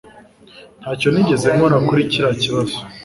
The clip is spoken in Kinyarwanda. Ntacyo nigeze nkora kuri kiriya kibazo.